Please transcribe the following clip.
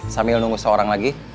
sambil nunggu seorang lagi